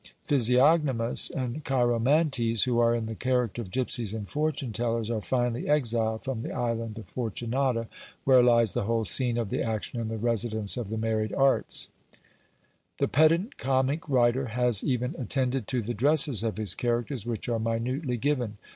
Physiognomus and Cheiromantes, who are in the character of gipsies and fortune tellers, are finally exiled from the island of Fortunata, where lies the whole scene of the action in the residence of the Married Arts. The pedant comic writer has even attended to the dresses of his characters, which are minutely given.